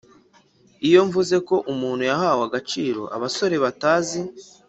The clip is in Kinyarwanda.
iyo mvuze ko umuhutu yahawe agaciro, abasore batazi